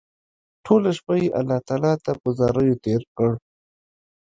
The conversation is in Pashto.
ټوله شپه يې الله تعالی ته په زاريو تېره کړه